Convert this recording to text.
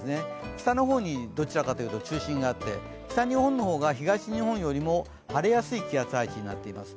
北の方にどちらかというと中心があって北日本の方が、東日本よりも晴れやすい気圧配置になっています。